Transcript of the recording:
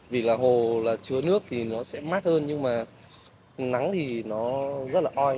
vì là hồ là chứa nước thì nó sẽ mát hơn nhưng mà nắng thì nó rất là oi